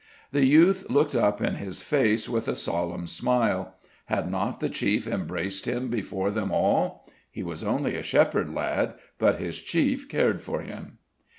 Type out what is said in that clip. The youth looked up in his face with a solemn smile: had not the chief embraced him before them all! He was only a shepherd lad, but his chief cared for him!